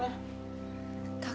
kamu mau kemana